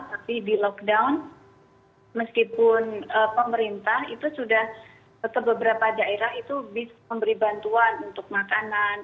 tapi di lockdown meskipun pemerintah itu sudah ke beberapa daerah itu bisa memberi bantuan untuk makanan